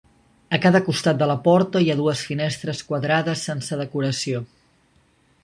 A cada costat de la porta hi ha dues finestres quadrades sense decoració.